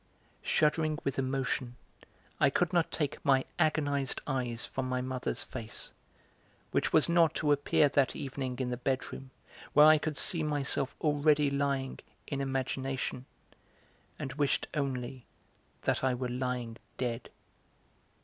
Shuddering with emotion, I could not take my agonised eyes from my mother's face, which was not to appear that evening in the bedroom where I could see myself already lying, in imagination; and wished only that I were lying dead.